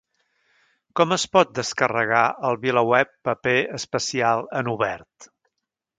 Com es pot descarregar el VilaWeb Paper especial en obert?